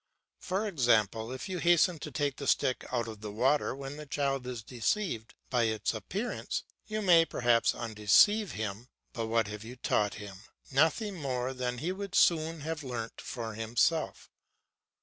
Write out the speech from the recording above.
For example, if you hasten to take the stick out of the water when the child is deceived by its appearance, you may perhaps undeceive him, but what have you taught him? Nothing more than he would soon have learnt for himself.